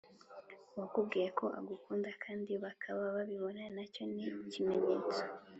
wakubwiye ko agukunda kandi bakaba babibona nacyo ni ikimenyetso.